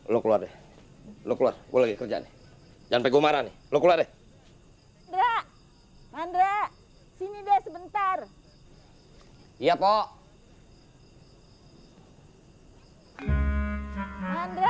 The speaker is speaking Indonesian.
lu keluar deh